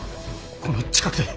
この近くで？